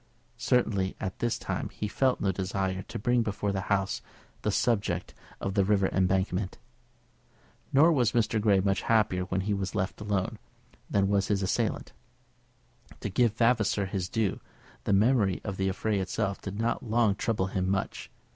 Certainly just at this time he felt no desire to bring before the House the subject of the River Embankment. Nor was Mr. Grey much happier when he was left alone, than was his assailant. To give Vavasor his due, the memory of the affray itself did not long trouble him much.